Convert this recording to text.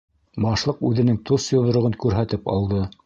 - Башлыҡ үҙенең тос йоҙроғон күрһәтеп алды.